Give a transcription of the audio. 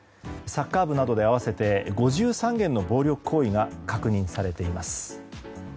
サッカー部などで合わせて５３件の暴力行為が確認されています。